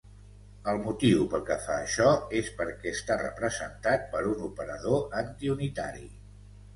El motiu pel que fa això és perquè està representat per un operador anti-unitari.